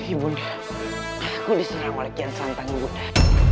ibu bunda aku diserang oleh kiasantang bunda